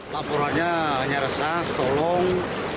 laporannya hanya resah tolong